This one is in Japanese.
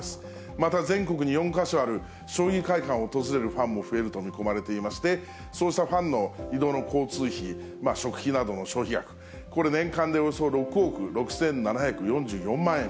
また全国に４か所ある将棋会館を訪れるファンも増えると見込まれていまして、そうしたファンの移動の交通費、食費などの消費額、これ、年間でおよそ６億６７４４万円。